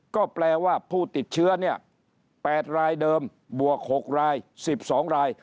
ก็แปลว่าผู้ติดเชื้อเนี่ย๘รายเดิมบวก๖ราย๑๒ราย